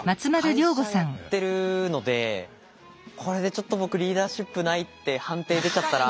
会社やってるのでこれでちょっと僕リーダーシップないって判定出ちゃったら。